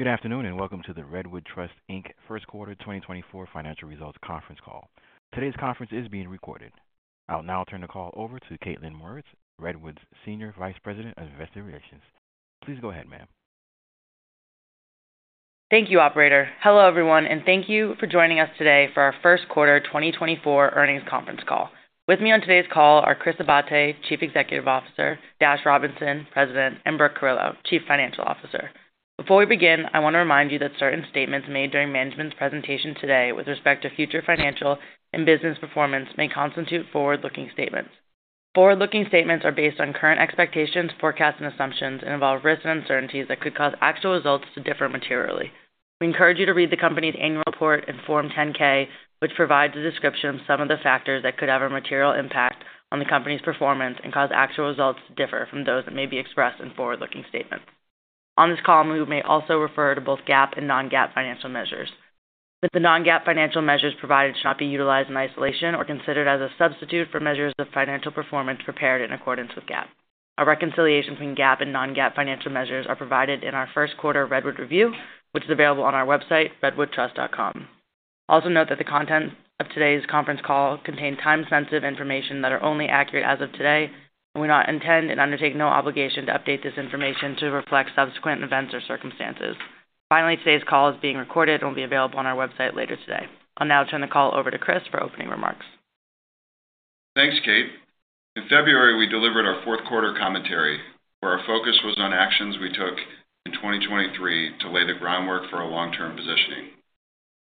Good afternoon and welcome to the Redwood Trust Inc. first quarter 2024 financial results conference call. Today's conference is being recorded. I'll now turn the call over to Kaitlyn Mauritz, Redwood's Senior Vice President of Investor Relations. Please go ahead, ma'am. Thank you, operator. Hello everyone, and thank you for joining us today for our first quarter 2024 earnings conference call. With me on today's call are Chris Abate, Chief Executive Officer; Dash Robinson, President; and Brooke Carillo, Chief Financial Officer. Before we begin, I want to remind you that certain statements made during management's presentation today with respect to future financial and business performance may constitute forward-looking statements. Forward-looking statements are based on current expectations, forecasts, and assumptions, and involve risks and uncertainties that could cause actual results to differ materially. We encourage you to read the company's annual report and Form 10-K, which provides a description of some of the factors that could have a material impact on the company's performance and cause actual results to differ from those that may be expressed in forward-looking statements. On this call, we may also refer to both GAAP and non-GAAP financial measures. The non-GAAP financial measures provided should not be utilized in isolation or considered as a substitute for measures of financial performance prepared in accordance with GAAP. A reconciliation between GAAP and non-GAAP financial measures is provided in our First Quarter Redwood Review, which is available on our website, redwoodtrust.com. Also note that the contents of today's conference call contain time-sensitive information that is only accurate as of today, and we do not intend and undertake no obligation to update this information to reflect subsequent events or circumstances. Finally, today's call is being recorded and will be available on our website later today. I'll now turn the call over to Chris for opening remarks. Thanks, Kate. In February, we delivered our fourth quarter commentary, where our focus was on actions we took in 2023 to lay the groundwork for our long-term positioning.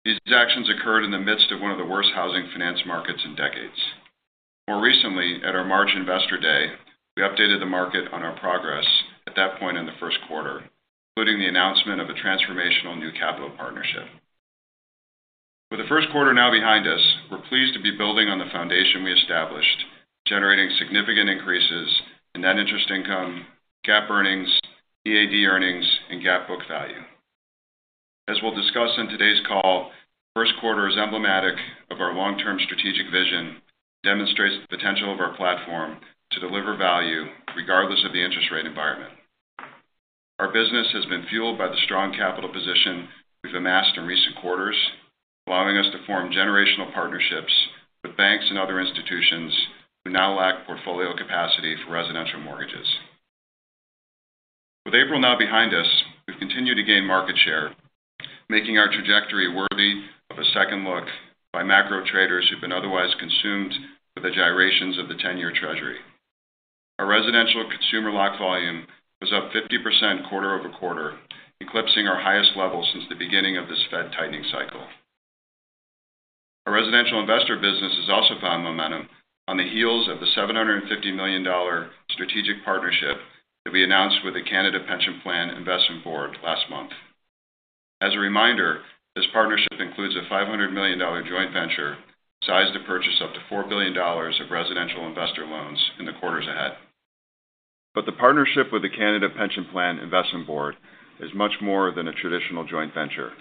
These actions occurred in the midst of one of the worst housing finance markets in decades. More recently at our March Investor Day, we updated the market on our progress at that point in the first quarter, including the announcement of a transformational new capital partnership. With the first quarter now behind us, we're pleased to be building on the foundation we established, generating significant increases in net interest income, GAAP earnings, EAD earnings, and GAAP book value. As we'll discuss in today's call, the first quarter is emblematic of our long-term strategic vision and demonstrates the potential of our platform to deliver value regardless of the interest rate environment. Our business has been fueled by the strong capital position we've amassed in recent quarters, allowing us to form generational partnerships with banks and other institutions who now lack portfolio capacity for residential mortgages. With April now behind us, we've continued to gain market share, making our trajectory worthy of a second look by macro traders who've been otherwise consumed with the gyrations of the 10-year treasury. Our residential consumer lock volume was up 50% quarter-over-quarter, eclipsing our highest level since the beginning of this Fed tightening cycle. Our residential investor business has also found momentum on the heels of the $750 million strategic partnership that we announced with the Canada Pension Plan Investment Board last month. As a reminder, this partnership includes a $500 million joint venture sized to purchase up to $4 billion of residential investor loans in the quarters ahead. But the partnership with the Canada Pension Plan Investment Board is much more than a traditional joint venture.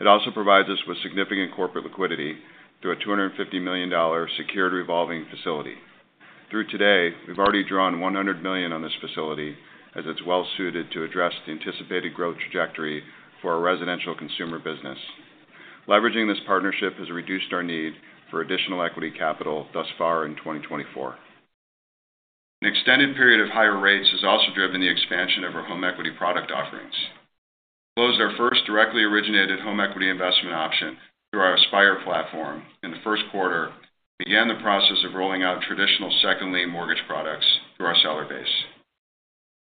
It also provides us with significant corporate liquidity through a $250 million secured revolving facility. Through today, we've already drawn $100 million on this facility as it's well-suited to address the anticipated growth trajectory for our residential consumer business. Leveraging this partnership has reduced our need for additional equity capital thus far in 2024. An extended period of higher rates has also driven the expansion of our home equity product offerings. We closed our first directly originated home equity investment option through our Aspire platform in the first quarter and began the process of rolling out traditional second lien mortgage products through our seller base.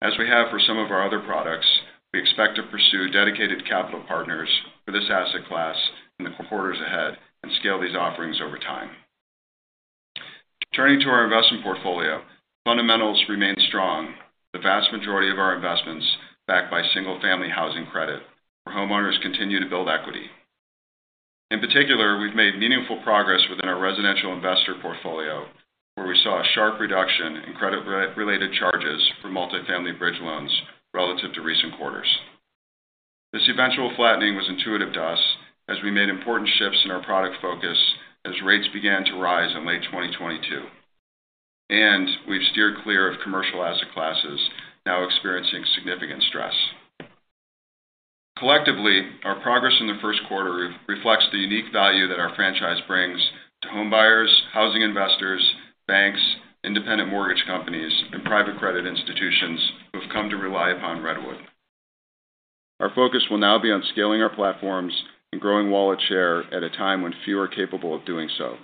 As we have for some of our other products, we expect to pursue dedicated capital partners for this asset class in the quarters ahead and scale these offerings over time. Turning to our Investment portfolio, fundamentals remain strong, with the vast majority of our investments backed by single-family housing credit where homeowners continue to build equity. In particular, we've made meaningful progress within our residential investor portfolio, where we saw a sharp reduction in credit-related charges for multifamily Bridge loans relative to recent quarters. This eventual flattening was intuitive to us as we made important shifts in our product focus as rates began to rise in late 2022, and we've steered clear of commercial asset classes now experiencing significant stress. Collectively, our progress in the first quarter reflects the unique value that our franchise brings to homebuyers, housing investors, banks, independent mortgage companies, and private credit institutions who have come to rely upon Redwood. Our focus will now be on scaling our platforms and growing wallet share at a time when few are capable of doing so.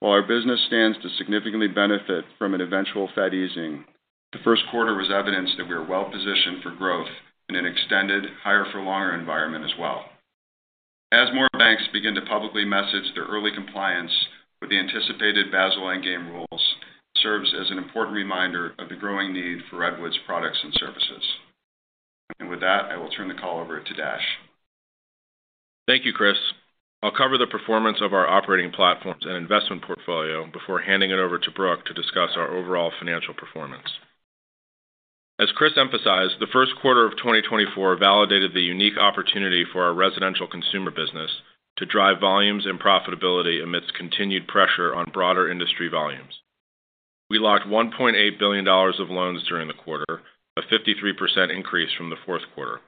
While our business stands to significantly benefit from an eventual Fed easing, the first quarter was evidence that we are well-positioned for growth in an extended higher-for-longer environment as well. As more banks begin to publicly message their early compliance with the anticipated Basel Endgame rules, it serves as an important reminder of the growing need for Redwood's products and services. With that, I will turn the call over to Dash. Thank you, Chris. I'll cover the performance of our operating platforms and Investment portfolio before handing it over to Brooke to discuss our overall financial performance. As Chris emphasized, the first quarter of 2024 validated the unique opportunity for our residential consumer business to drive volumes and profitability amidst continued pressure on broader industry volumes. We locked $1.8 billion of loans during the quarter, a 53% increase from the fourth quarter.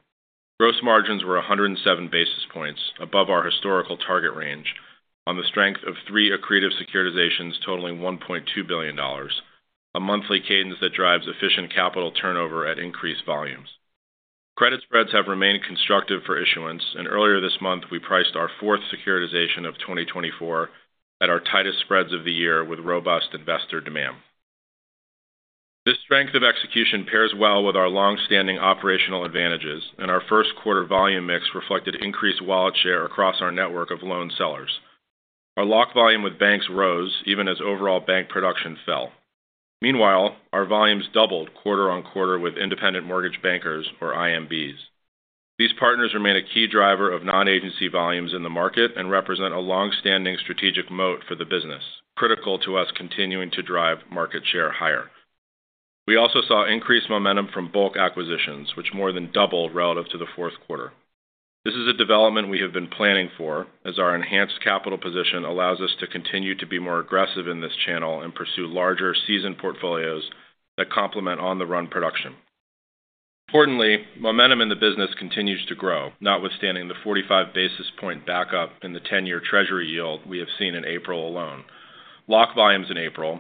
Gross margins were 107 basis points, above our historical target range, on the strength of three accretive securitizations totaling $1.2 billion, a monthly cadence that drives efficient capital turnover at increased volumes. Credit spreads have remained constructive for issuance, and earlier this month we priced our fourth securitization of 2024 at our tightest spreads of the year with robust investor demand. This strength of execution pairs well with our longstanding operational advantages, and our first quarter volume mix reflected increased wallet share across our network of loan sellers. Our lock volume with banks rose even as overall bank production fell. Meanwhile, our volumes doubled quarter-over-quarter with independent mortgage bankers, or IMBs. These partners remain a key driver of non-agency volumes in the market and represent a longstanding strategic moat for the business, critical to us continuing to drive market share higher. We also saw increased momentum from bulk acquisitions, which more than doubled relative to the fourth quarter. This is a development we have been planning for, as our enhanced capital position allows us to continue to be more aggressive in this channel and pursue larger, seasoned portfolios that complement on-the-run production. Importantly, momentum in the business continues to grow, notwithstanding the 45 basis point backup in the 10-year treasury yield we have seen in April alone. Lock volumes in April,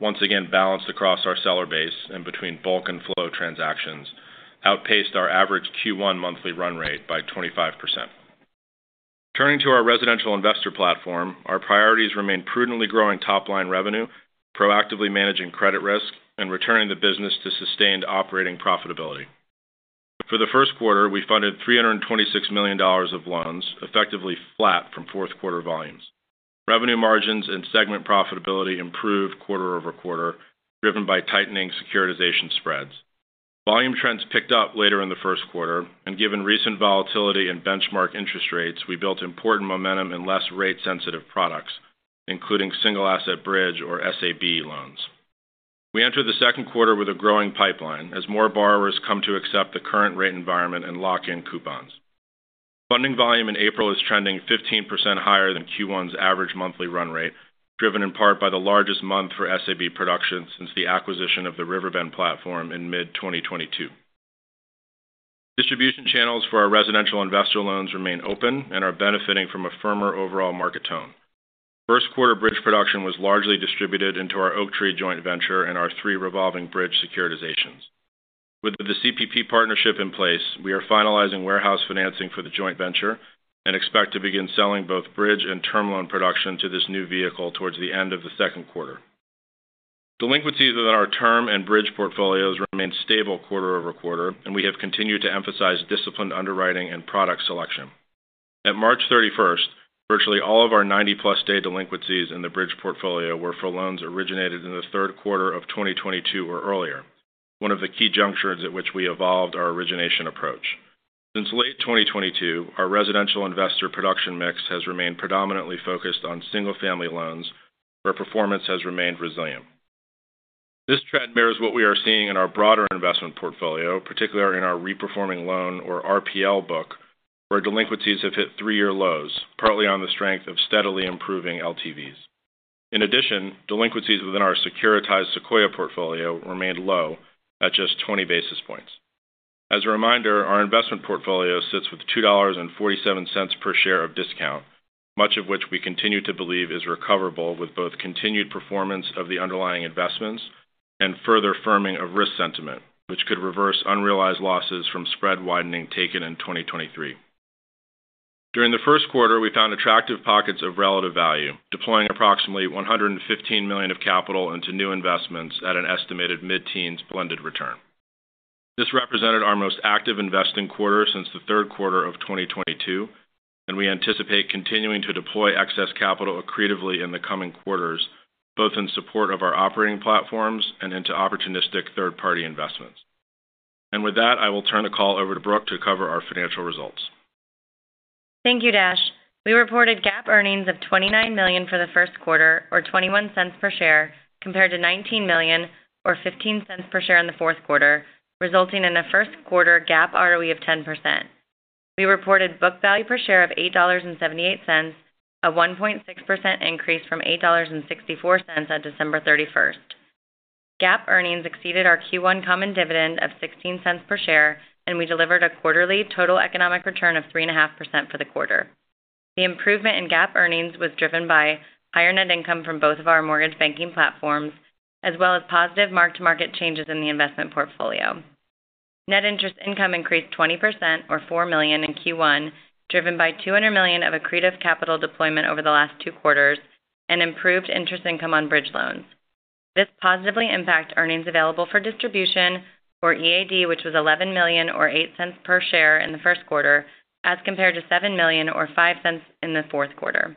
once again balanced across our seller base and between bulk and flow transactions, outpaced our average Q1 monthly run rate by 25%. Turning to our residential investor platform, our priorities remain prudently growing top-line revenue, proactively managing credit risk, and returning the business to sustained operating profitability. For the first quarter, we funded $326 million of loans, effectively flat from fourth quarter volumes. Revenue margins and segment profitability improved quarter-over-quarter, driven by tightening securitization spreads. Volume trends picked up later in the first quarter, and given recent volatility and benchmark interest rates, we built important momentum in less rate-sensitive products, including single-asset bridge, or SAB, loans. We entered the second quarter with a growing pipeline as more borrowers come to accept the current rate environment and lock in coupons. Funding volume in April is trending 15% higher than Q1's average monthly run rate, driven in part by the largest month for SAB production since the acquisition of the Riverbend platform in mid-2022. Distribution channels for our residential investor loans remain open and are benefiting from a firmer overall market tone. First quarter bridge production was largely distributed into our Oaktree joint venture and our three revolving bridge securitizations. With the CPP partnership in place, we are finalizing warehouse financing for the joint venture and expect to begin selling both bridge and term loan production to this new vehicle towards the end of the second quarter. Delinquencies within our Term and Bridge portfolios remained stable quarter-over-quarter, and we have continued to emphasize disciplined underwriting and product selection. At March 31st, virtually all of our 90-plus-day delinquencies in the bridge portfolio were for loans originated in the third quarter of 2022 or earlier, one of the key junctures at which we evolved our origination approach. Since late 2022, our residential investor production mix has remained predominantly focused on single-family loans, where performance has remained resilient. This trend mirrors what we are seeing in our broader Investment portfolio, particularly in our reperforming loan, or RPL, book, where delinquencies have hit three-year lows, partly on the strength of steadily improving LTVs. In addition, delinquencies within our securitized Sequoia portfolio remained low at just 20 basis points. As a reminder, our Investment portfolio sits with $2.47 per share of discount, much of which we continue to believe is recoverable with both continued performance of the underlying investments and further firming of risk sentiment, which could reverse unrealized losses from spread widening taken in 2023. During the first quarter, we found attractive pockets of relative value, deploying approximately $115 million of capital into new investments at an estimated mid-teens blended return. This represented our most active investing quarter since the third quarter of 2022, and we anticipate continuing to deploy excess capital accretively in the coming quarters, both in support of our operating platforms and into opportunistic third-party investments. And with that, I will turn the call over to Brooke to cover our financial results. Thank you, Dash. We reported GAAP earnings of $29 million for the first quarter, or $0.21 per share, compared to $19 million, or $0.15 per share in the fourth quarter, resulting in a first quarter GAAP ROE of 10%. We reported book value per share of $8.78, a 1.6% increase from $8.64 on December 31st. GAAP earnings exceeded our Q1 common dividend of $0.16 per share, and we delivered a quarterly total economic return of 3.5% for the quarter. The improvement in GAAP earnings was driven by higher net income from both of our mortgage banking platforms, as well as positive mark-to-market changes in the Investment portfolio. Net interest income increased 20%, or $4 million, in Q1, driven by $200 million of accretive capital deployment over the last two quarters and improved interest income on bridge loans. This positively impacted earnings available for distribution, or EAD, which was $11 million, or $0.08 per share in the first quarter, as compared to $7 million, or $0.05, in the fourth quarter.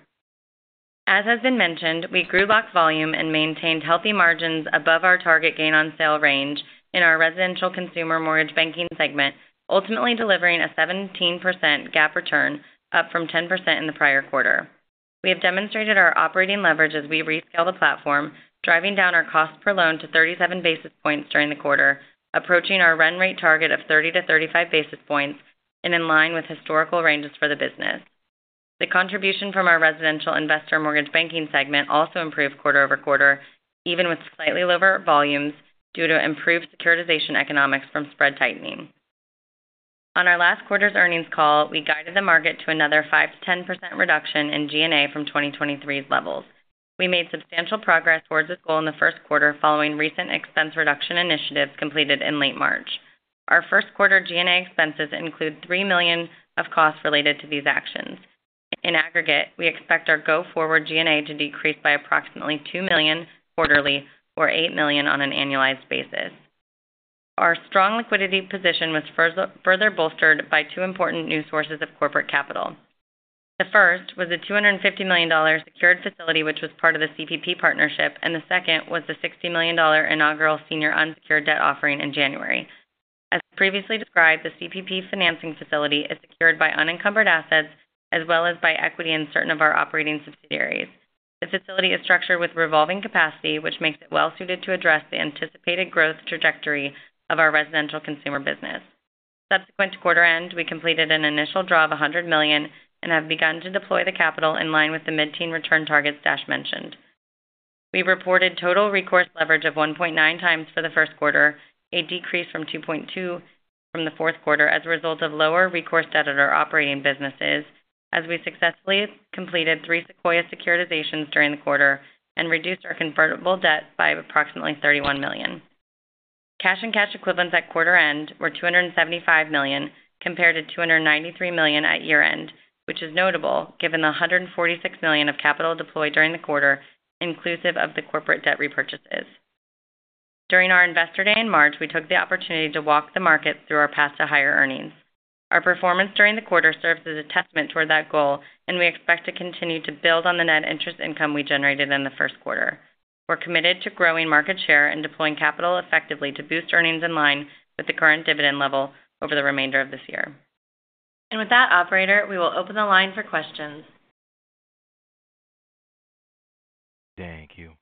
As has been mentioned, we grew lock volume and maintained healthy margins above our target gain-on-sale range in our residential consumer mortgage banking segment, ultimately delivering a 17% GAAP return, up from 10% in the prior quarter. We have demonstrated our operating leverage as we rescale the platform, driving down our cost per loan to 37 basis points during the quarter, approaching our run rate target of 30-35 basis points, and in line with historical ranges for the business. The contribution from our residential investor mortgage banking segment also improved quarter-over-quarter, even with slightly lower volumes due to improved securitization economics from spread tightening. On our last quarter's earnings call, we guided the market to another 5%-10% reduction in G&A from 2023's levels. We made substantial progress towards this goal in the first quarter following recent expense reduction initiatives completed in late March. Our first quarter G&A expenses include $3 million of costs related to these actions. In aggregate, we expect our go-forward G&A to decrease by approximately $2 million quarterly, or $8 million on an annualized basis. Our strong liquidity position was further bolstered by two important new sources of corporate capital. The first was the $250 million secured facility, which was part of the CPP partnership, and the second was the $60 million inaugural senior unsecured debt offering in January. As previously described, the CPP financing facility is secured by unencumbered assets as well as by equity in certain of our operating subsidiaries. The facility is structured with revolving capacity, which makes it well-suited to address the anticipated growth trajectory of our residential consumer business. Subsequent to quarter-end, we completed an initial draw of $100 million and have begun to deploy the capital in line with the mid-teen return targets Dash mentioned. We reported total recourse leverage of 1.9x for the first quarter, a decrease from 2.2 from the fourth quarter as a result of lower recourse debt at our operating businesses, as we successfully completed three Sequoia securitizations during the quarter and reduced our convertible debt by approximately $31 million. Cash and cash equivalents at quarter-end were $275 million compared to $293 million at year-end, which is notable given the $146 million of capital deployed during the quarter, inclusive of the corporate debt repurchases. During our Investor Day in March, we took the opportunity to walk the market through our path to higher earnings. Our performance during the quarter serves as a testament toward that goal, and we expect to continue to build on the net interest income we generated in the first quarter. We're committed to growing market share and deploying capital effectively to boost earnings in line with the current dividend level over the remainder of this year. With that, operator, we will open the line for questions. Thank you.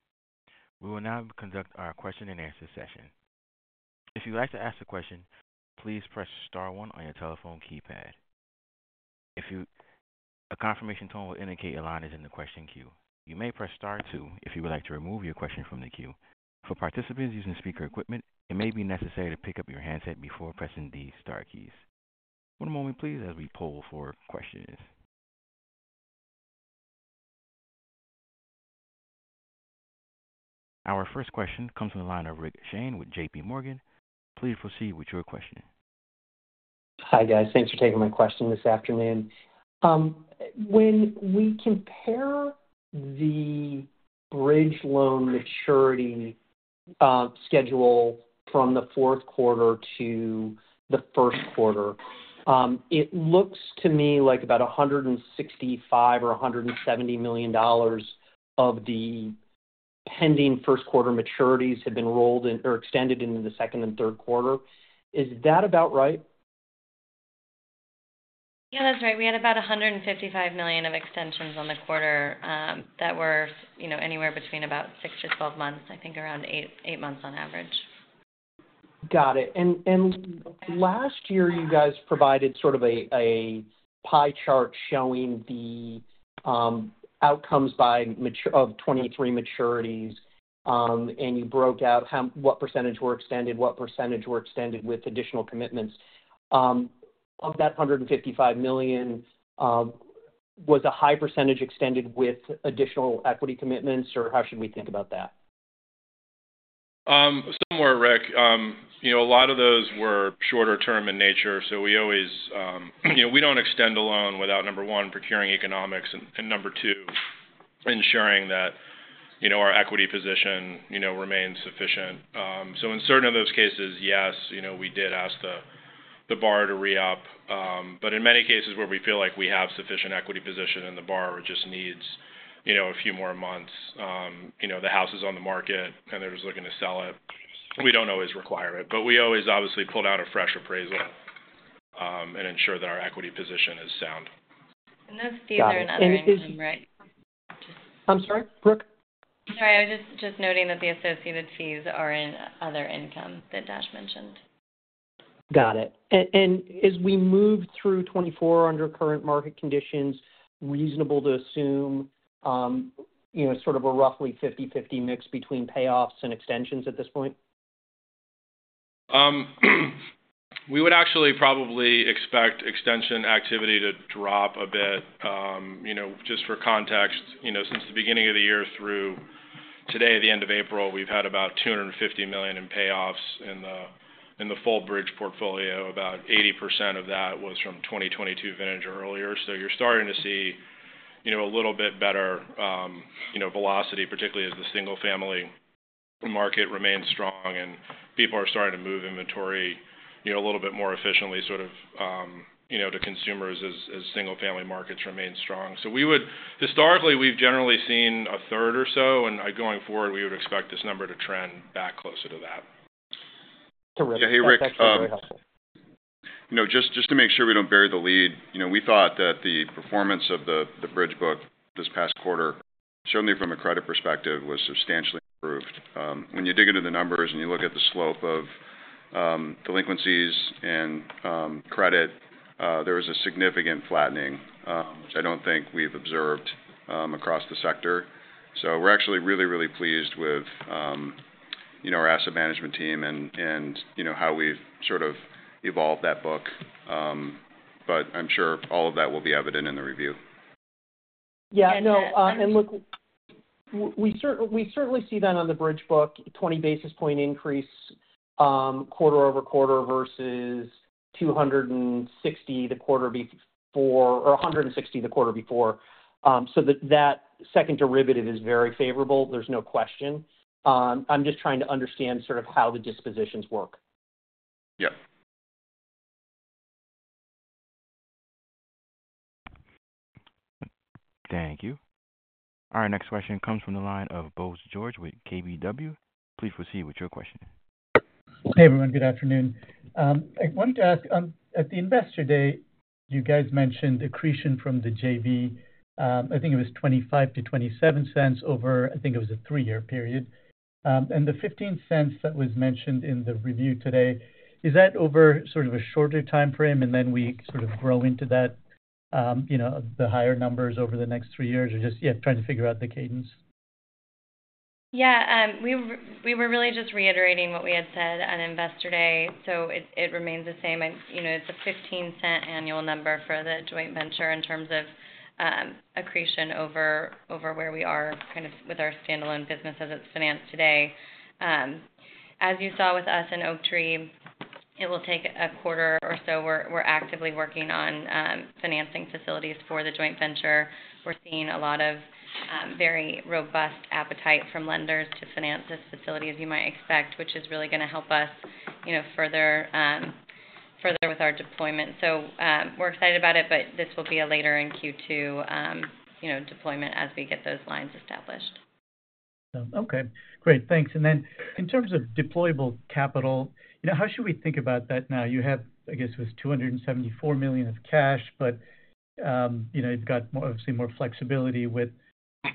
We will now conduct our question-and-answer session. If you would like to ask a question, please press star one on your telephone keypad. A confirmation tone will indicate your line is in the question queue. You may press star two if you would like to remove your question from the queue. For participants using speaker equipment, it may be necessary to pick up your handset before pressing the star keys. One moment, please, as we pull for questions. Our first question comes from the line of Rick Shane with JPMorgan. Please proceed with your question. Hi, guys. Thanks for taking my question this afternoon. When we compare the Bridge Loan maturity schedule from the fourth quarter to the first quarter, it looks to me like about $165 or $170 million of the pending first-quarter maturities have been rolled in or extended into the second and third quarter. Is that about right? Yeah, that's right. We had about $155 million of extensions on the quarter that were anywhere between about six to 12 months, I think around 8 months on average. Got it. Last year, you guys provided sort of a pie chart showing the outcomes of 23 maturities, and you broke out what percentage were extended, what percentage were extended with additional commitments. Of that $155 million, was a high percentage extended with additional equity commitments, or how should we think about that? Somewhere, Rick. A lot of those were shorter-term in nature, so we always don't extend a loan without, number one, procuring economics and, number two, ensuring that our equity position remains sufficient. So in certain of those cases, yes, we did ask the borrower to re-up. But in many cases where we feel like we have sufficient equity position and the borrower just needs a few more months, the house is on the market and they're just looking to sell it, we don't always require it. But we always, obviously, pull out a fresh appraisal and ensure that our equity position is sound. Those fees are in other income, right? I'm sorry? Brooke? Sorry. I was just noting that the associated fees are in other income that Dash mentioned. Got it. And as we move through 2024 under current market conditions, reasonable to assume sort of a roughly 50/50 mix between payoffs and extensions at this point? We would actually probably expect extension activity to drop a bit. Just for context, since the beginning of the year through today, the end of April, we've had about $250 million in payoffs in the full Bridge portfolio. About 80% of that was from 2022 vintage or earlier. So you're starting to see a little bit better velocity, particularly as the single-family market remains strong and people are starting to move inventory a little bit more efficiently sort of to consumers as single-family markets remain strong. So historically, we've generally seen a third or so, and going forward, we would expect this number to trend back closer to that. Terrific. That's actually very helpful. Just to make sure we don't bury the lead, we thought that the performance of the bridge book this past quarter, certainly from a credit perspective, was substantially improved. When you dig into the numbers and you look at the slope of delinquencies and credit, there was a significant flattening, which I don't think we've observed across the sector. So we're actually really, really pleased with our asset management team and how we've sort of evolved that book. I'm sure all of that will be evident in the review. Yeah. No, and look, we certainly see that on the Bridge book, 20 basis point increase quarter-over-quarter versus 260 the quarter before or 160 the quarter before. So that second derivative is very favorable. There's no question. I'm just trying to understand sort of how the dispositions work. Yep. Thank you. All right. Next question comes from the line of Bose George with KBW. Please proceed with your question. Hey, everyone. Good afternoon. I wanted to ask, at the Investor Day, you guys mentioned accretion from the JV. I think it was $0.25 to $0.27 over, I think it was a three-year period. The $0.15 that was mentioned in the review today, is that over sort of a shorter timeframe and then we sort of grow into the higher numbers over the next three years, or just, yeah, trying to figure out the cadence? Yeah. We were really just reiterating what we had said on investor day, so it remains the same. It's a $0.15 annual number for the joint venture in terms of accretion over where we are kind of with our standalone business as it's financed today. As you saw with us in Oaktree, it will take a quarter or so. We're actively working on financing facilities for the joint venture. We're seeing a lot of very robust appetite from lenders to finance this facility, as you might expect, which is really going to help us further with our deployment. So we're excited about it, but this will be a later in Q2 deployment as we get those lines established. Okay. Great. Thanks. And then in terms of deployable capital, how should we think about that now? You have, I guess, it was $274 million of cash, but you've got, obviously, more flexibility with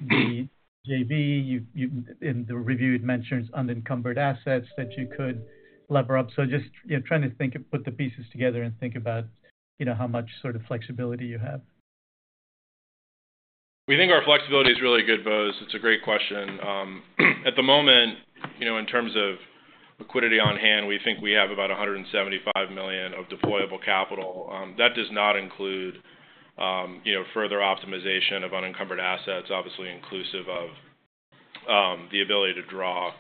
the JV. In the review, it mentions unencumbered assets that you could lever up. So just trying to put the pieces together and think about how much sort of flexibility you have. We think our flexibility is really good, Bose. It's a great question. At the moment, in terms of liquidity on hand, we think we have about $175 million of deployable capital. That does not include further optimization of unencumbered assets, obviously, inclusive of the ability to draw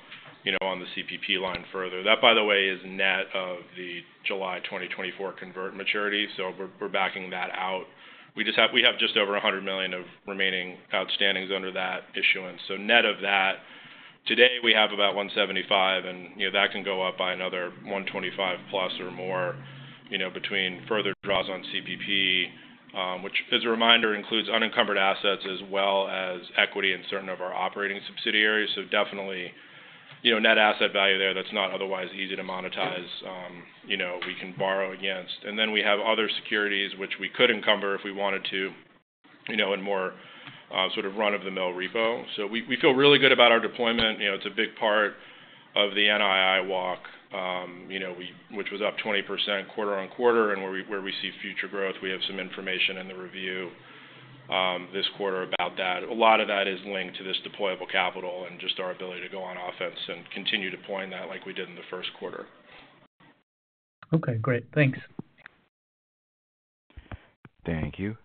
on the CPP line further. That, by the way, is net of the July 2024 convert maturity, so we're backing that out. We have just over $100 million of remaining outstandings under that issuance. So net of that, today, we have about $175, and that can go up by another $125 plus or more between further draws on CPP, which, as a reminder, includes unencumbered assets as well as equity in certain of our operating subsidiaries. So definitely net asset value there that's not otherwise easy to monetize, we can borrow against. And then we have other securities which we could encumber if we wanted to in more sort of run-of-the-mill repo. So we feel really good about our deployment. It's a big part of the NII walk, which was up 20% quarter-over-quarter, and where we see future growth, we have some information in the review this quarter about that. A lot of that is linked to this deployable capital and just our ability to go on offense and continue to point that like we did in the first quarter. Okay. Great. Thanks. Thank you.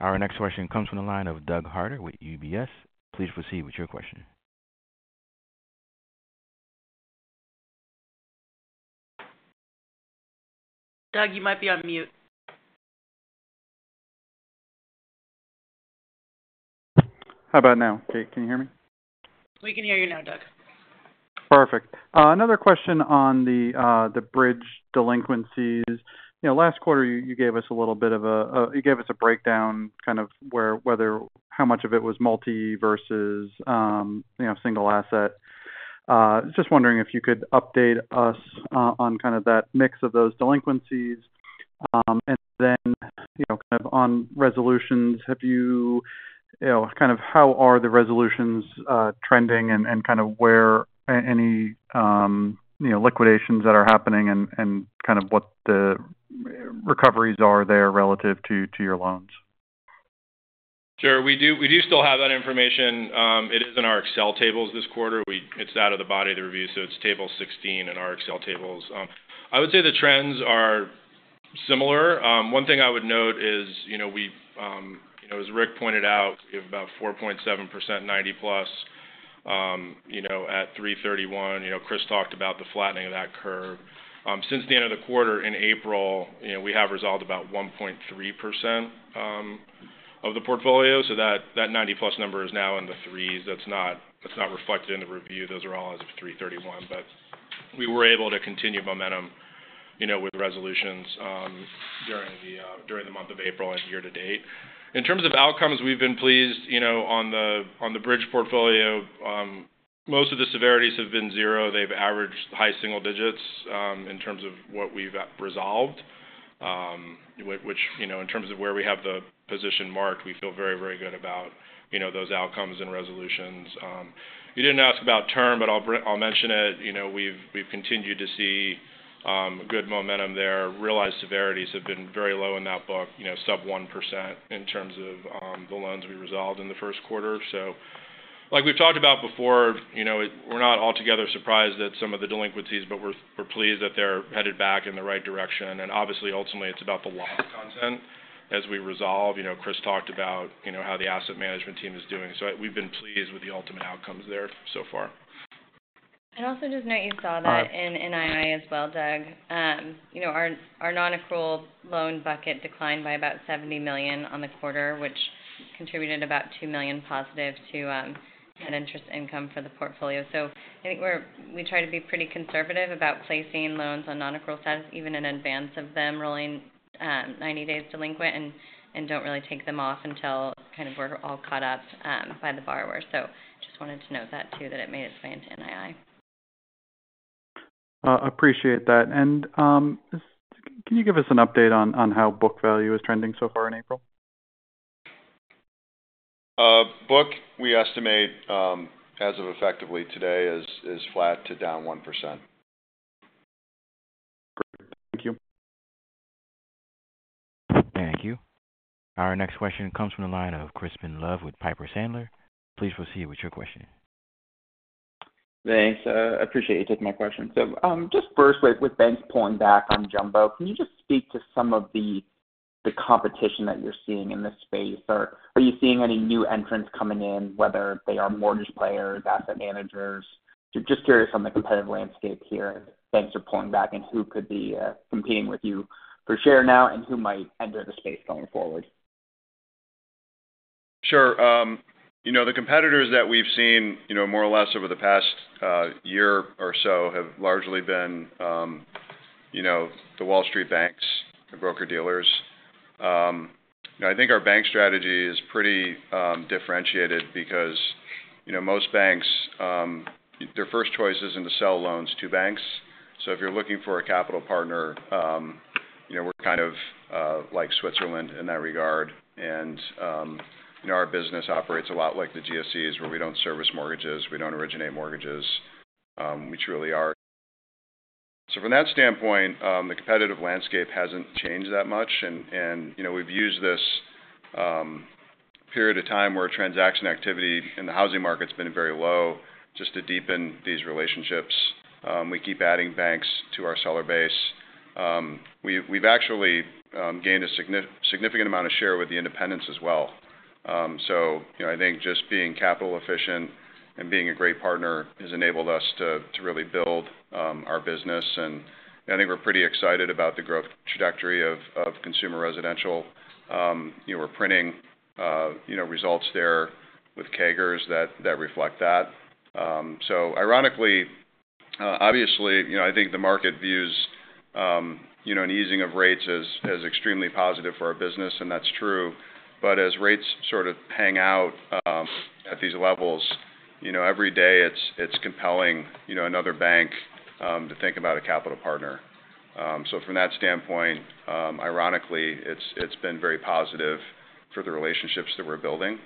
Our next question comes from the line of Doug Harter with UBS. Please proceed with your question. Doug, you might be on mute. How about now? Can you hear me? We can hear you now, Doug. Perfect. Another question on the bridge delinquencies. Last quarter, you gave us a little bit of a breakdown kind of how much of it was multi versus single asset. Just wondering if you could update us on kind of that mix of those delinquencies. And then kind of on resolutions, have you kind of how are the resolutions trending and kind of where any liquidations that are happening and kind of what the recoveries are there relative to your loans? Sure. We do still have that information. It is in our Excel tables this quarter. It's out of the body of the review, so it's table 16 in our Excel tables. I would say the trends are similar. One thing I would note is, as Rick pointed out, we have about 4.7%, 90-plus at 331. Chris talked about the flattening of that curve. Since the end of the quarter, in April, we have resolved about 1.3% of the portfolio, so that 90-plus number is now in the 3s. That's not reflected in the review. Those are all as of 331. But we were able to continue momentum with resolutions during the month of April and year to date. In terms of outcomes, we've been pleased. On the Bridge portfolio, most of the severities have been zero. They've averaged high single digits in terms of what we've resolved, which in terms of where we have the position marked, we feel very, very good about those outcomes and resolutions. You didn't ask about term, but I'll mention it. We've continued to see good momentum there. Realized severities have been very low in that book, sub 1% in terms of the loans we resolved in the first quarter. So like we've talked about before, we're not altogether surprised at some of the delinquencies, but we're pleased that they're headed back in the right direction. And obviously, ultimately, it's about the lost content as we resolve. Chris talked about how the asset management team is doing. So we've been pleased with the ultimate outcomes there so far. I'd also just note you saw that in NII as well, Doug. Our non-accrual loan bucket declined by about $70 million on the quarter, which contributed about $2 million positive to net interest income for the portfolio. So I think we try to be pretty conservative about placing loans on non-accrual status, even in advance of them rolling 90 days delinquent, and don't really take them off until kind of we're all caught up by the borrower. So just wanted to note that too, that it made its way into NII. Appreciate that. Can you give us an update on how book value is trending so far in April? Book, we estimate as of effectively today is flat to down 1%. Great. Thank you. Thank you. Our next question comes from the line of Crispin Love with Piper Sandler. Please proceed with your question. Thanks. I appreciate you taking my question. So just first, with banks pulling back on Jumbo, can you just speak to some of the competition that you're seeing in this space? Are you seeing any new entrants coming in, whether they are mortgage players, asset managers? Just curious on the competitive landscape here. Banks are pulling back, and who could be competing with you for share now, and who might enter the space going forward? Sure. The competitors that we've seen, more or less over the past year or so, have largely been the Wall Street banks, the broker-dealers. I think our bank strategy is pretty differentiated because most banks, their first choice isn't to sell loans to banks. So if you're looking for a capital partner, we're kind of like Switzerland in that regard. And our business operates a lot like the GSEs, where we don't service mortgages. We don't originate mortgages. We truly are. So from that standpoint, the competitive landscape hasn't changed that much. And we've used this period of time where transaction activity in the housing market's been very low just to deepen these relationships. We keep adding banks to our seller base. We've actually gained a significant amount of share with the independents as well. So I think just being capital-efficient and being a great partner has enabled us to really build our business. And I think we're pretty excited about the growth trajectory of consumer residential. We're printing results there with CAGRs that reflect that. So ironically, obviously, I think the market views an easing of rates as extremely positive for our business, and that's true. But as rates sort of hang out at these levels, every day, it's compelling another bank to think about a capital partner. So from that standpoint, ironically, it's been very positive for the relationships that we're building.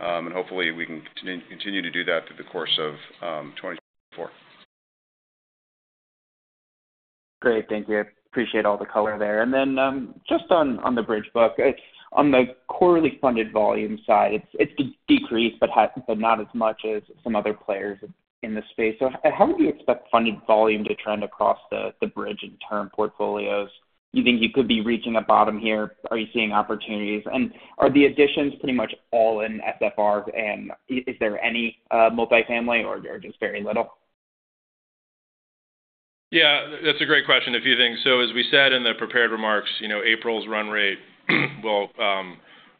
And hopefully, we can continue to do that through the course of 2024. Great. Thank you. I appreciate all the color there. And then just on the Bridge book, on the quarterly funded volume side, it's decreased but not as much as some other players in the space. So how would you expect funded volume to trend across the Bridge and Term portfolios? You think you could be reaching a bottom here? Are you seeing opportunities? And are the additions pretty much all in SFRs, and is there any multifamily, or are there just very little? Yeah. That's a great question, if you think so. As we said in the prepared remarks, April's run rate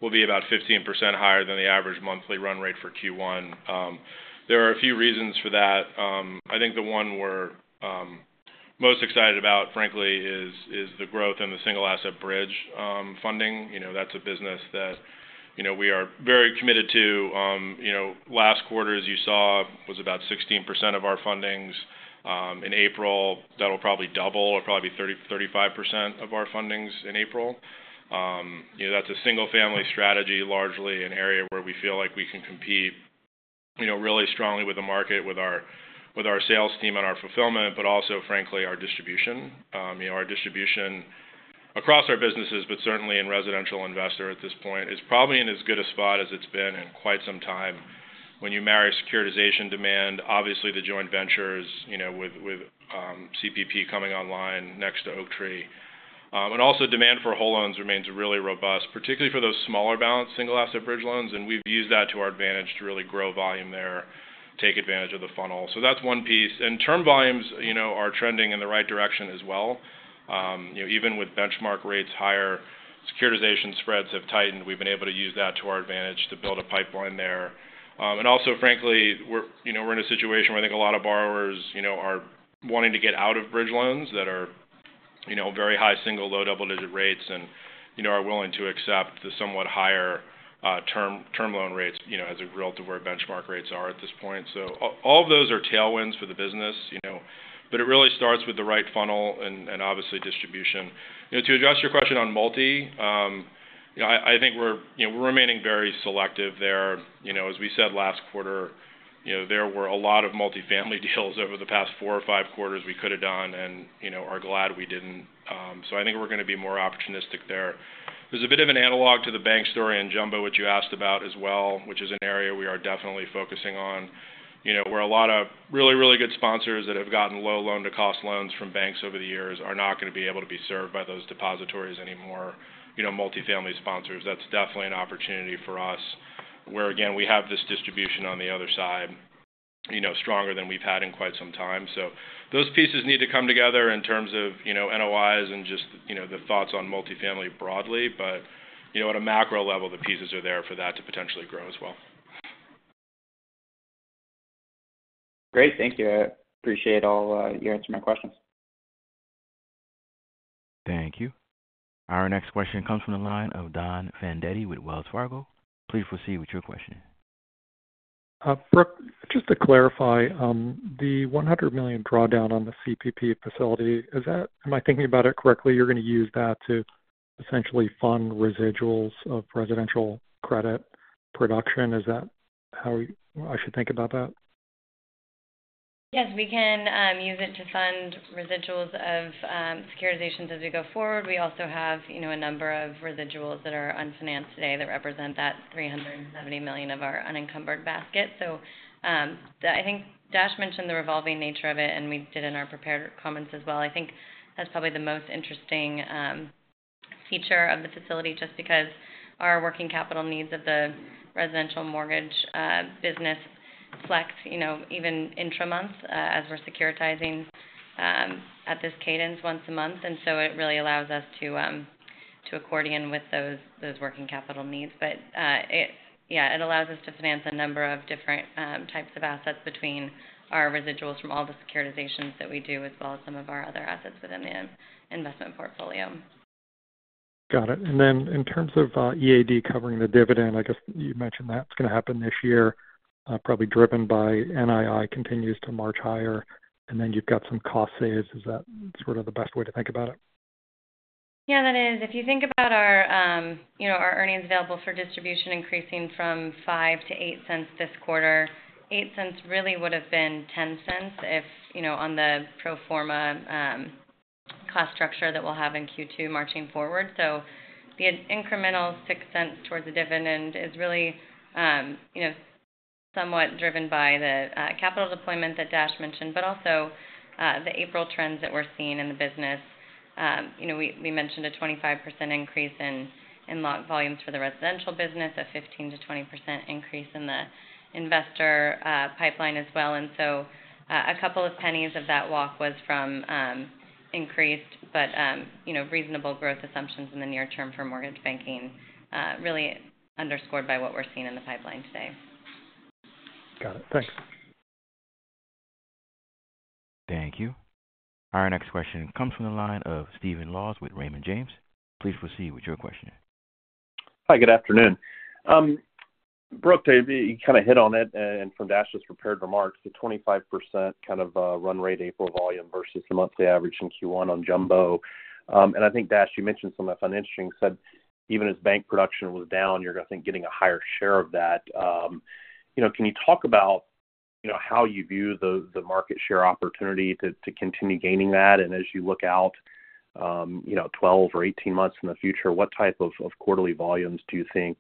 will be about 15% higher than the average monthly run rate for Q1. There are a few reasons for that. I think the one we're most excited about, frankly, is the growth in the single asset bridge funding. That's a business that we are very committed to. Last quarter, as you saw, was about 16% of our fundings. In April, that'll probably double or probably be 35% of our fundings in April. That's a single-family strategy, largely an area where we feel like we can compete really strongly with the market, with our sales team and our fulfillment, but also, frankly, our distribution. Our distribution across our businesses, but certainly in residential investor at this point, is probably in as good a spot as it's been in quite some time. When you marry securitization demand, obviously, the joint ventures with CPP coming online next to Oaktree, and also demand for whole loans remains really robust, particularly for those smaller balanced single asset bridge loans. And we've used that to our advantage to really grow volume there, take advantage of the funnel. So that's one piece. And Term volumes are trending in the right direction as well. Even with benchmark rates higher, securitization spreads have tightened. We've been able to use that to our advantage to build a pipeline there. And also, frankly, we're in a situation where I think a lot of borrowers are wanting to get out of Bridge Loans that are very high single, low, double-digit rates and are willing to accept the somewhat higher term loan rates as a relative where benchmark rates are at this point. So all of those are tailwinds for the business, but it really starts with the right funnel and, obviously, distribution. To address your question on multi, I think we're remaining very selective there. As we said last quarter, there were a lot of multifamily deals over the past four or five quarters we could have done, and we're glad we didn't. So I think we're going to be more opportunistic there. There's a bit of an analog to the bank story in Jumbo, which you asked about as well, which is an area we are definitely focusing on, where a lot of really, really good sponsors that have gotten low loan-to-cost loans from banks over the years are not going to be able to be served by those depositories anymore, multifamily sponsors. That's definitely an opportunity for us where, again, we have this distribution on the other side stronger than we've had in quite some time. So those pieces need to come together in terms of NOIs and just the thoughts on multifamily broadly. But at a macro level, the pieces are there for that to potentially grow as well. Great. Thank you. I appreciate all your answers to my questions. Thank you. Our next question comes from the line of Don Fandetti with Wells Fargo. Please proceed with your question. Brooke, just to clarify, the $100 million drawdown on the CPP facility, am I thinking about it correctly? You're going to use that to essentially fund residuals of residential credit production. Is that how I should think about that? Yes. We can use it to fund residuals of securitizations as we go forward. We also have a number of residuals that are unfinanced today that represent that $370 million of our unencumbered basket. So I think Dash mentioned the revolving nature of it, and we did in our prepared comments as well. I think that's probably the most interesting feature of the facility just because our working capital needs of the residential mortgage business flex even intra-month as we're securitizing at this cadence once a month. And so it really allows us to accordion with those working capital needs. But yeah, it allows us to finance a number of different types of assets between our residuals from all the securitizations that we do, as well as some of our other assets within the Investment portfolio. Got it. And then in terms of EAD covering the dividend, I guess you mentioned that's going to happen this year, probably driven by NII continues to march higher, and then you've got some cost saves. Is that sort of the best way to think about it? Yeah, that is. If you think about our earnings available for distribution increasing from $0.05 to $0.08 this quarter, $0.08 really would have been $0.10 on the pro forma cost structure that we'll have in Q2 going forward. So the incremental $0.06 towards the dividend is really somewhat driven by the capital deployment that Dash mentioned, but also the April trends that we're seeing in the business. We mentioned a 25% increase in lock volumes for the residential business, a 15%-20% increase in the investor pipeline as well. And so a couple of pennies of that walk was from increased, but reasonable growth assumptions in the near term for mortgage banking, really underscored by what we're seeing in the pipeline today. Got it. Thanks. Thank you. Our next question comes from the line of Stephen Laws with Raymond James. Please proceed with your question. Hi. Good afternoon. Brooke, you kind of hit on it from Dash's prepared remarks, the 25% kind of run rate April volume versus the monthly average in Q1 on Jumbo. I think, Dash, you mentioned something that's interesting. You said even as bank production was down, you're, I think, getting a higher share of that. Can you talk about how you view the market share opportunity to continue gaining that? As you look out 12 or 18 months in the future, what type of quarterly volumes do you think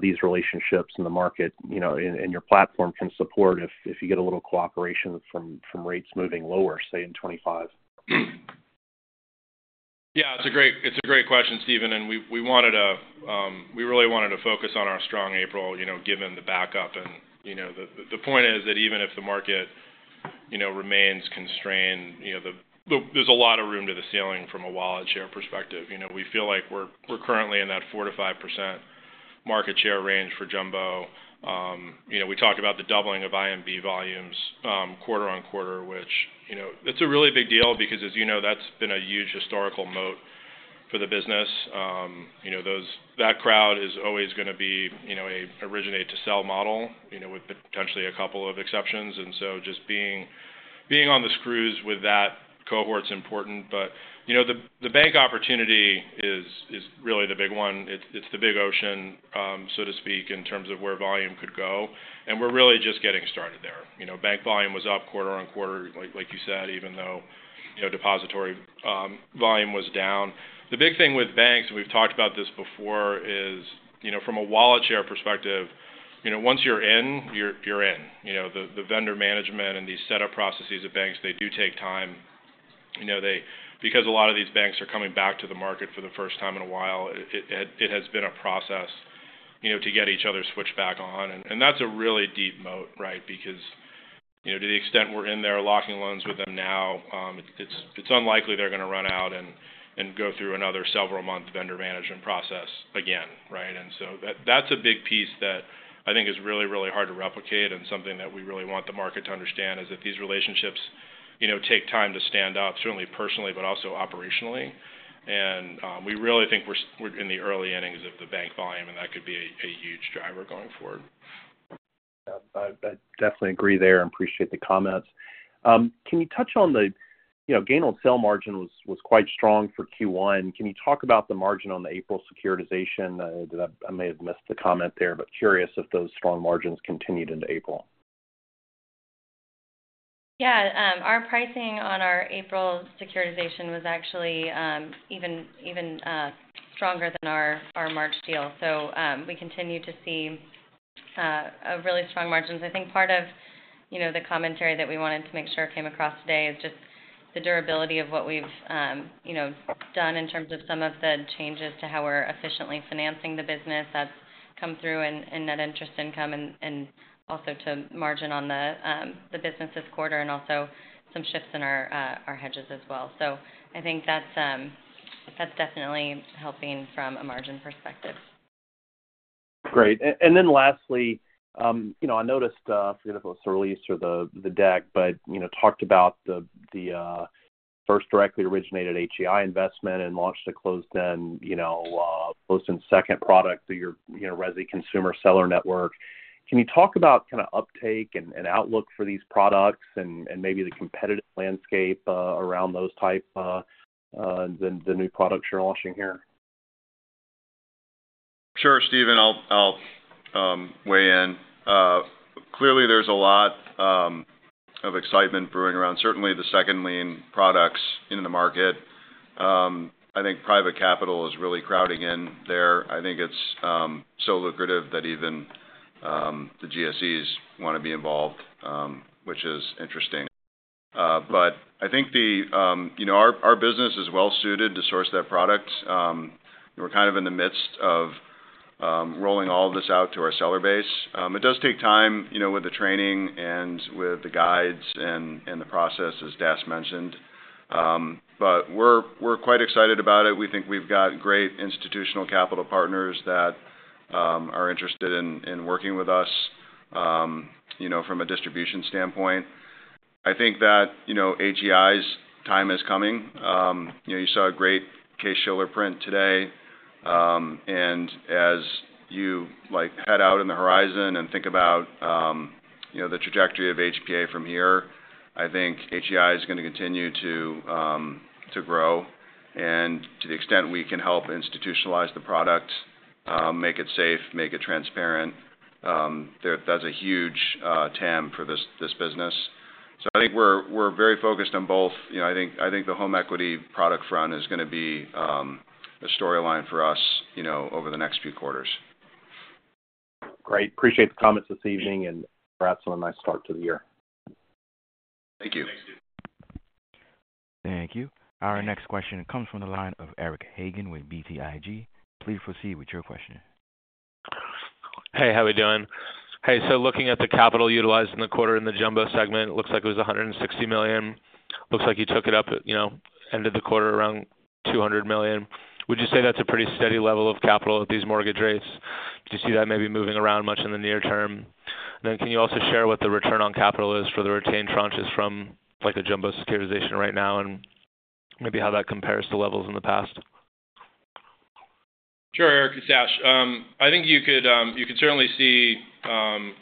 these relationships in the market and your platform can support if you get a little cooperation from rates moving lower, say, in 2025? Yeah. It's a great question, Stephen. And we really wanted to focus on our strong April given the backup. And the point is that even if the market remains constrained, there's a lot of room to the ceiling from a wallet share perspective. We feel like we're currently in that 4%-5% market share range for Jumbo. We talked about the doubling of IMB volumes quarter-over-quarter, which that's a really big deal because, as you know, that's been a huge historical moat for the business. That crowd is always going to be a originate-to-sell model with potentially a couple of exceptions. And so just being on the screws with that cohort's important. But the bank opportunity is really the big one. It's the big ocean, so to speak, in terms of where volume could go. And we're really just getting started there. Bank volume was up quarter-over-quarter, like you said, even though depository volume was down. The big thing with banks, and we've talked about this before, is from a wallet share perspective, once you're in, you're in. The vendor management and these setup processes at banks, they do take time. Because a lot of these banks are coming back to the market for the first time in a while, it has been a process to get each other switched back on. That's a really deep moat, right? Because to the extent we're in there locking loans with them now, it's unlikely they're going to run out and go through another several-month vendor management process again, right? So that's a big piece that I think is really, really hard to replicate. Something that we really want the market to understand is that these relationships take time to stand up, certainly personally, but also operationally. We really think we're in the early innings of the bank volume, and that could be a huge driver going forward. Yeah. I definitely agree there and appreciate the comments. Can you touch on the gain-on-sale margin was quite strong for Q1? Can you talk about the margin on the April securitization? I may have missed the comment there, but curious if those strong margins continued into April. Yeah. Our pricing on our April securitization was actually even stronger than our March deal. So we continue to see really strong margins. I think part of the commentary that we wanted to make sure came across today is just the durability of what we've done in terms of some of the changes to how we're efficiently financing the business that's come through in net interest income and also to margin on the business this quarter and also some shifts in our hedges as well. So I think that's definitely helping from a margin perspective. Great. And then lastly, I noticed I forget if it was the release or the deck, but talked about the first directly originated HEI investment and launched a closed-end second product, your resi consumer seller network. Can you talk about kind of uptake and outlook for these products and maybe the competitive landscape around those types and the new products you're launching here? Sure, Stephen. I'll weigh in. Clearly, there's a lot of excitement brewing around, certainly the second-lien products in the market. I think private capital is really crowding in there. I think it's so lucrative that even the GSEs want to be involved, which is interesting. But I think our business is well-suited to source that product. We're kind of in the midst of rolling all of this out to our seller base. It does take time with the training and with the guides and the process, as Dash mentioned. But we're quite excited about it. We think we've got great institutional capital partners that are interested in working with us from a distribution standpoint. I think that HEI's time is coming. You saw a great Case-Shiller print today. As you head out in the horizon and think about the trajectory of HPA from here, I think HEI is going to continue to grow. To the extent we can help institutionalize the product, make it safe, make it transparent, that's a huge TAM for this business. I think we're very focused on both. I think the home equity product front is going to be a storyline for us over the next few quarters. Great. Appreciate the comments this evening, and perhaps some of them nice start to the year. Thank you. Thank you. Our next question comes from the line of Eric Hagen with BTIG. Please proceed with your question. Hey. How are we doing? Hey. So looking at the capital utilized in the quarter in the Jumbo segment, it looks like it was $160 million. Looks like you took it up end of the quarter around $200 million. Would you say that's a pretty steady level of capital at these mortgage rates? Do you see that maybe moving around much in the near term? And then can you also share what the return on capital is for the retained tranches from a Jumbo securitization right now and maybe how that compares to levels in the past? Sure, Eric, it's Dash. I think you could certainly see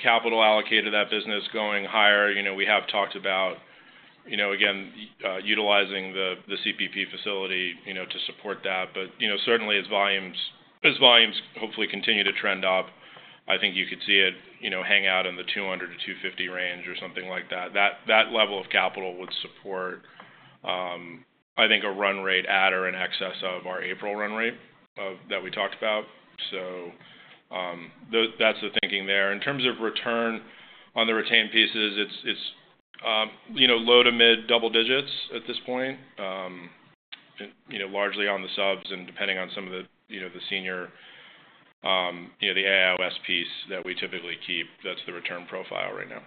capital allocated to that business going higher. We have talked about, again, utilizing the CPP facility to support that. But certainly, as volumes hopefully continue to trend up, I think you could see it hang out in the $200-$250 range or something like that. That level of capital would support, I think, a run rate at or in excess of our April run rate that we talked about. So that's the thinking there. In terms of return on the retained pieces, it's low to mid double digits at this point, largely on the subs and depending on some of the senior the I/Os piece that we typically keep, that's the return profile right now.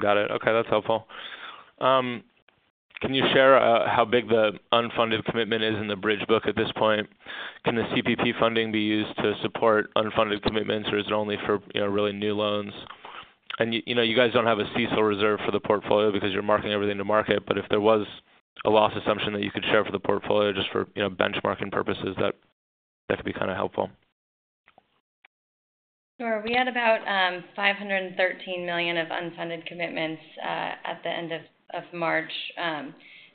Got it. Okay. That's helpful. Can you share how big the unfunded commitment is in the Bridge book at this point? Can the CPP funding be used to support unfunded commitments, or is it only for really new loans? And you guys don't have a CECL reserve for the portfolio because you're marking everything to market. But if there was a loss assumption that you could share for the portfolio just for benchmarking purposes, that could be kind of helpful. Sure. We had about $513 million of unfunded commitments at the end of March.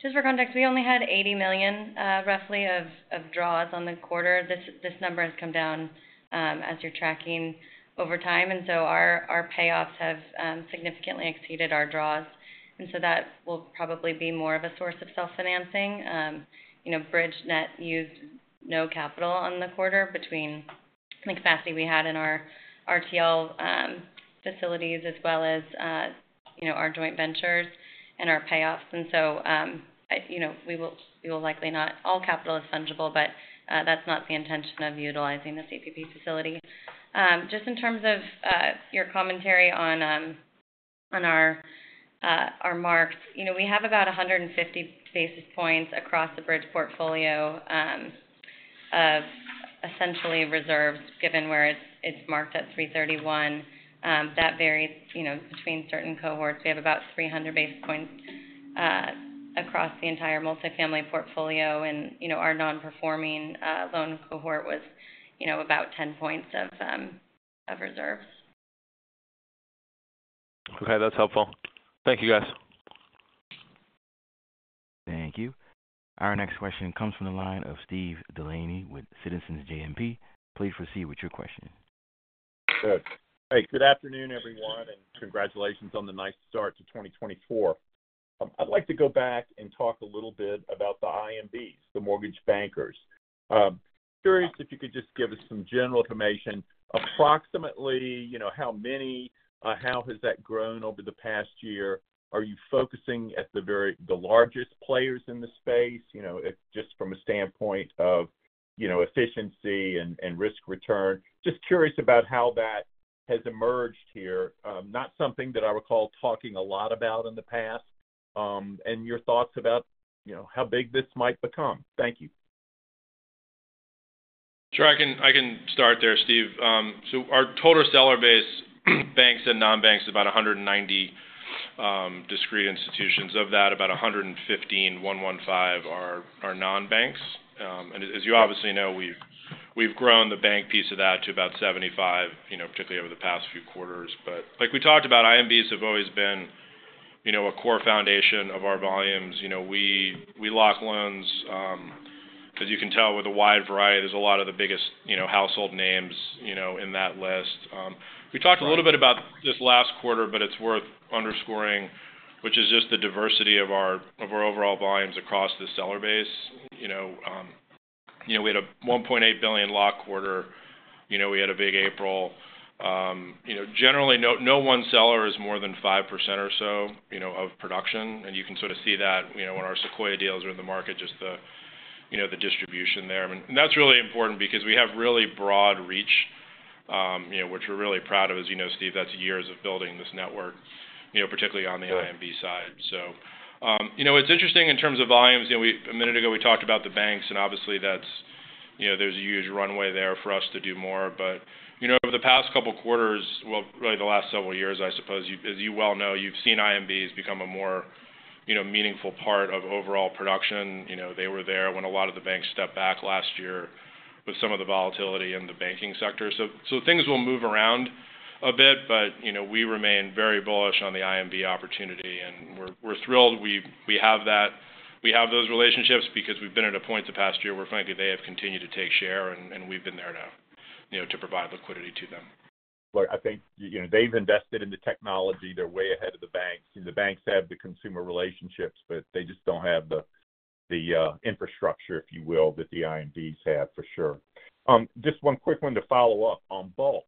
Just for context, we only had $80 million, roughly, of draws on the quarter. This number has come down as you're tracking over time. Our payoffs have significantly exceeded our draws. That will probably be more of a source of self-financing. Bridge net used no capital on the quarter between the capacity we had in our RTL facilities as well as our joint ventures and our payoffs. We will likely not - all capital is fungible, but that's not the intention of utilizing the CPP facility. Just in terms of your commentary on our marks, we have about 150 basis points across the Bridge portfolio of essentially reserves given where it's marked at 331. That varies between certain cohorts. We have about 300 basis points across the entire multifamily portfolio. Our non-performing loan cohort was about 10 points of reserves. Okay. That's helpful. Thank you, guys. Thank you. Our next question comes from the line of Steve Delaney with Citizens JMP. Please proceed with your question. Good. Hey. Good afternoon, everyone, and congratulations on the nice start to 2024. I'd like to go back and talk a little bit about the IMBs, the mortgage bankers. Curious if you could just give us some general information, approximately how many, how has that grown over the past year? Are you focusing at the largest players in the space just from a standpoint of efficiency and risk return? Just curious about how that has emerged here, not something that I recall talking a lot about in the past, and your thoughts about how big this might become. Thank you. Sure. I can start there, Steve. So our total seller base banks and non-banks is about 190 discrete institutions. Of that, about 115, 115 are non-banks. And as you obviously know, we've grown the bank piece of that to about 75, particularly over the past few quarters. But like we talked about, IMBs have always been a core foundation of our volumes. We lock loans, as you can tell, with a wide variety. There's a lot of the biggest household names in that list. We talked a little bit about this last quarter, but it's worth underscoring, which is just the diversity of our overall volumes across the seller base. We had a $1.8 billion lock quarter. We had a big April. Generally, no one seller is more than 5% or so of production. And you can sort of see that when our Sequoia deals are in the market, just the distribution there. And that's really important because we have really broad reach, which we're really proud of. As you know, Steve, that's years of building this network, particularly on the IMB side. So it's interesting in terms of volumes. A minute ago, we talked about the banks, and obviously, there's a huge runway there for us to do more. But over the past couple of quarters, well, really, the last several years, I suppose. As you well know, you've seen IMBs become a more meaningful part of overall production. They were there when a lot of the banks stepped back last year with some of the volatility in the banking sector. So things will move around a bit, but we remain very bullish on the IMB opportunity. We're thrilled we have those relationships because we've been at a point the past year where, frankly, they have continued to take share, and we've been there now to provide liquidity to them. Look, I think they've invested in the technology. They're way ahead of the banks. The banks have the consumer relationships, but they just don't have the infrastructure, if you will, that the IMBs have, for sure. Just one quick one to follow up on bulk.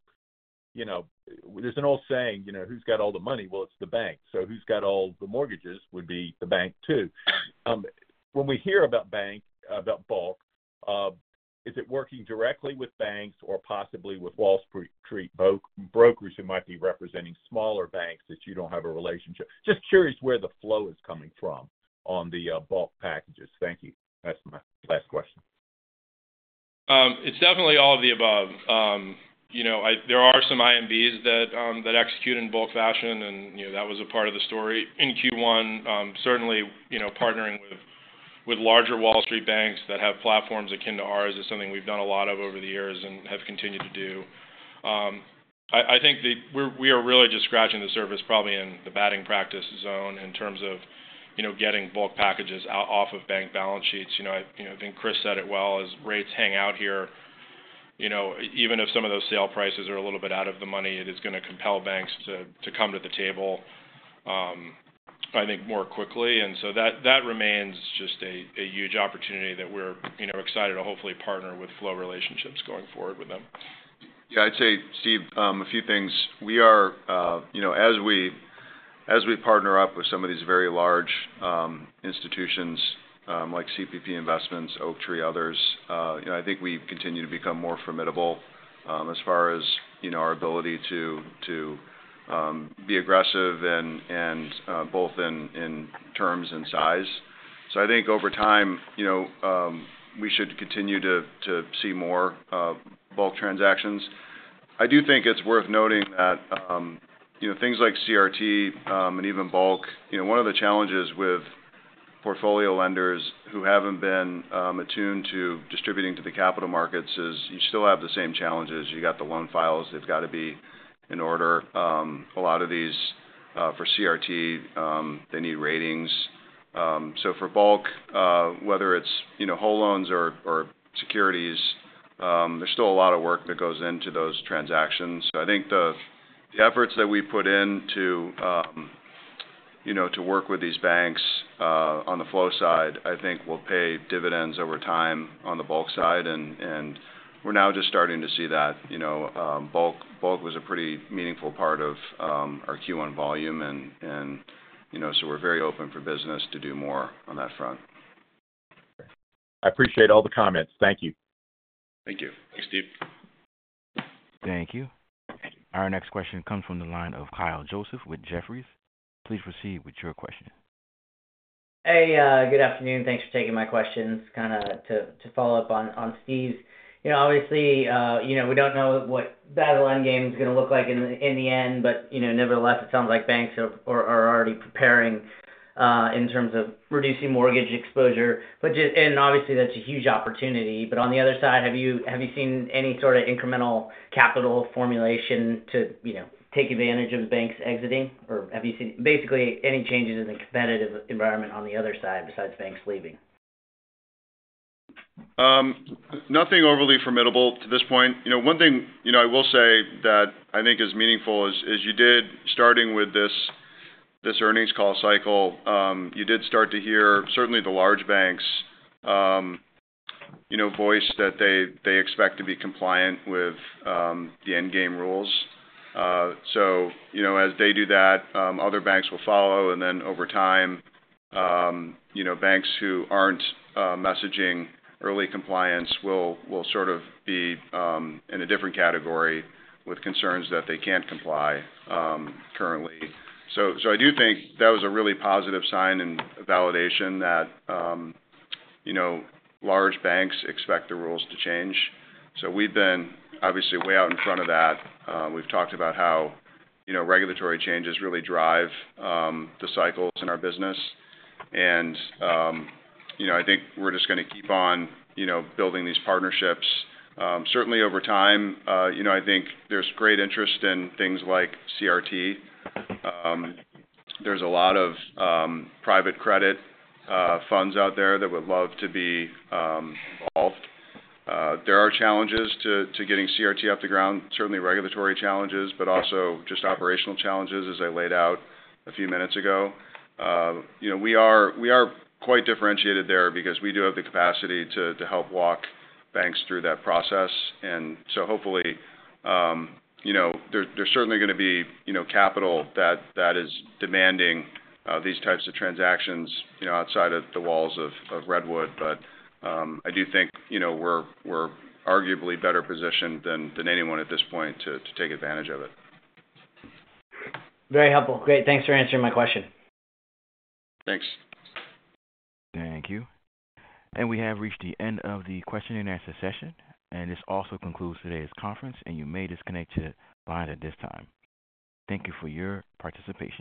There's an old saying, "Who's got all the money?" Well, it's the bank. So who's got all the mortgages would be the bank too. When we hear about bank, about bulk, is it working directly with banks or possibly with Wall Street brokers who might be representing smaller banks that you don't have a relationship? Just curious where the flow is coming from on the bulk packages. Thank you. That's my last question. It's definitely all of the above. There are some IMBs that execute in bulk fashion, and that was a part of the story in Q1. Certainly, partnering with larger Wall Street banks that have platforms akin to ours is something we've done a lot of over the years and have continued to do. I think we are really just scratching the surface, probably in the batting practice zone in terms of getting bulk packages out off of bank balance sheets. I think Chris said it well. As rates hang out here, even if some of those sale prices are a little bit out of the money, it is going to compel banks to come to the table, I think, more quickly. And so that remains just a huge opportunity that we're excited to hopefully partner with flow relationships going forward with them. Yeah. I'd say, Steve, a few things. As we partner up with some of these very large institutions like CPP Investments, Oaktree, others, I think we continue to become more formidable as far as our ability to be aggressive both in terms and size. So I think over time, we should continue to see more bulk transactions. I do think it's worth noting that things like CRT and even bulk, one of the challenges with portfolio lenders who haven't been attuned to distributing to the capital markets is you still have the same challenges. You got the loan files. They've got to be in order. A lot of these for CRT, they need ratings. So for bulk, whether it's whole loans or securities, there's still a lot of work that goes into those transactions. So I think the efforts that we put in to work with these banks on the flow side, I think, will pay dividends over time on the bulk side. And we're now just starting to see that. Bulk was a pretty meaningful part of our Q1 volume. And so we're very open for business to do more on that front. I appreciate all the comments. Thank you. Thank you. Thanks, Steve. Thank you. Our next question comes from the line of Kyle Joseph with Jefferies. Please proceed with your question. Hey. Good afternoon. Thanks for taking my questions. Kind of to follow up on Steve, obviously, we don't know what Basel Endgame is going to look like in the end. But nevertheless, it sounds like banks are already preparing in terms of reducing mortgage exposure. And obviously, that's a huge opportunity. But on the other side, have you seen any sort of incremental capital formulation to take advantage of the banks exiting? Or have you seen, basically, any changes in the competitive environment on the other side besides banks leaving? Nothing overly formidable to this point. One thing I will say that I think is meaningful is you did, starting with this earnings call cycle, you did start to hear, certainly, the large banks voicing that they expect to be compliant with the endgame rules. So as they do that, other banks will follow. And then over time, banks who aren't messaging early compliance will sort of be in a different category with concerns that they can't comply currently. So I do think that was a really positive sign and validation that large banks expect the rules to change. So we've been, obviously, way out in front of that. We've talked about how regulatory changes really drive the cycles in our business. And I think we're just going to keep on building these partnerships. Certainly, over time, I think there's great interest in things like CRT. There's a lot of private credit funds out there that would love to be involved. There are challenges to getting CRT off the ground, certainly regulatory challenges, but also just operational challenges, as I laid out a few minutes ago. We are quite differentiated there because we do have the capacity to help walk banks through that process. And so hopefully, there's certainly going to be capital that is demanding these types of transactions outside of the walls of Redwood. But I do think we're arguably better positioned than anyone at this point to take advantage of it. Very helpful. Great. Thanks for answering my question. Thanks. Thank you. We have reached the end of the question-and-answer session. This also concludes today's conference. You may disconnect your line at this time. Thank you for your participation.